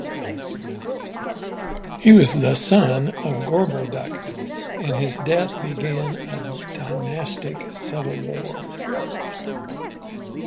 He was the son of Gorboduc and his death began a dynastic civil war.